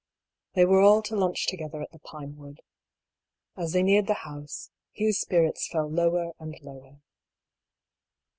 They were all to lunch together at the Pinewood. As they neared the house, Hugh's spirits fell lower and lower.